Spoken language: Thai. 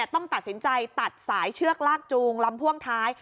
ต้องตัดสินใจตัดสายเชือกลากจูงลำพ่วงท้าย